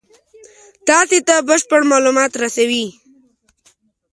تاسې ته بشپړ مالومات رسوي.